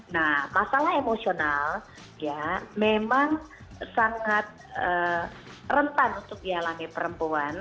nah masalah emosional ya memang sangat rentan untuk dialami perempuan